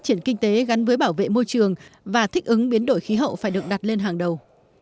triển kinh tế gắn với bảo vệ môi trường và thích ứng biến đổi khí hậu phải được đặt lên hàng đầu